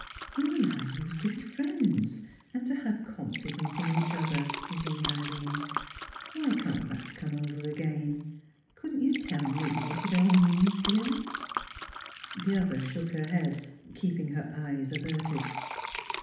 "You and I used to be friends, and to have confidence in each other," resumed Irene. "Why can't that come over again? Couldn't you tell me what it all means, dear?" The other shook her head, keeping her eyes averted.